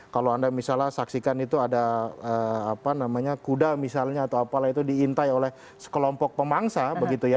kalau anda misalnya saksikan itu ada kuda misalnya atau apalah itu diintai oleh sekelompok pemangsa